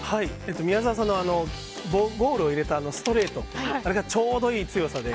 宮澤さんのゴールを入れたストレートあれがちょうどいい強さで。